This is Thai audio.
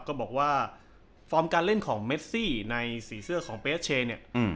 ก็บอกว่าฟอร์มการเล่นของเมซี่ในสีเสื้อของเปสเชเนี่ย